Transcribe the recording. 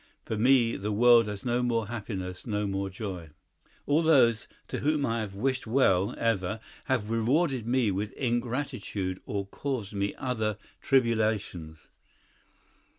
For me the world has no more happiness, no more joy. All those to whom I have wished well ever have rewarded me with ingratitude or caused me other tribulations."